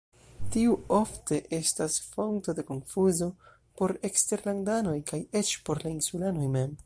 Tiu ofte estas fonto de konfuzo por eksterlandanoj, kaj eĉ por la insulanoj mem.